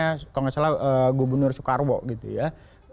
kalau nggak salah gubernur soekarwo gitu ya